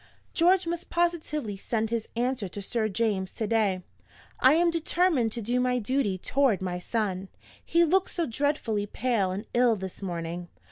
George must positively send his answer to Sir James to day. I am determined to do my duty toward my son he looks so dreadfully pale and ill this morning!